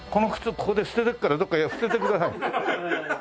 ここで捨てていくからどっか捨ててください。